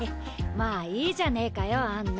まあいいじゃねえかよアンナ。